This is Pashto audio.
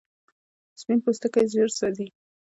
سپین پوستکی ژر سوځي